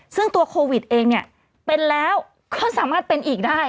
ซึ่งตัวโควิดเองเนี่ยเป็นแล้วก็สามารถเป็นอีกได้